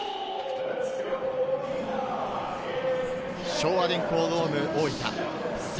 昭和電工ドーム大分。